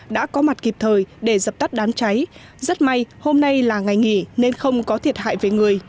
đã có mặt kịp thời để dập tắt đám cháy rất may hôm nay là ngày nghỉ nên không có thiệt hại về người